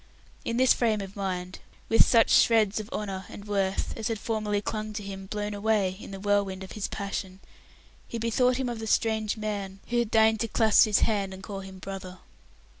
In this frame of mind, with such shreds of honour and worth as had formerly clung to him blown away in the whirlwind of his passion, he bethought him of the strange man who had deigned to clasp his hand and call him "brother".